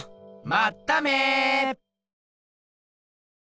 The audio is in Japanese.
まっため！